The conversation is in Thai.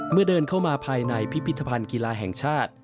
เดินเข้ามาภายในพิพิธภัณฑ์กีฬาแห่งชาติ